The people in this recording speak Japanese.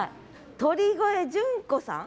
鳥越淳子さん。